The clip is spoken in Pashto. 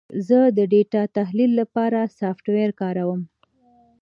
زه د ډیټا تحلیل لپاره سافټویر کاروم.